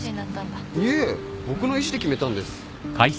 いえ僕の意思で決めたんです。